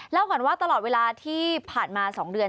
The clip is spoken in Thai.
ก่อนว่าตลอดเวลาที่ผ่านมา๒เดือน